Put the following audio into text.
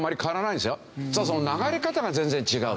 ただその流れ方が全然違う。